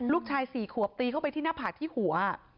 ลูกชาย๔ขวบตีเข้าไปที่หน้าผากที่หัว